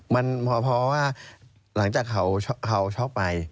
มันเพราะว่าหลังจากเขาชอบไป